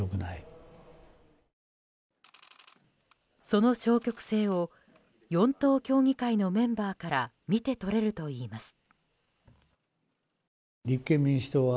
その消極性を４党協議会のメンバーから見てとれるといいます。